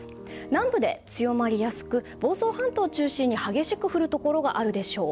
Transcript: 南部で強まりやすく房総半島を中心に激しく降るところがあるでしょう。